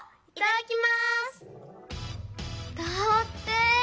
だって！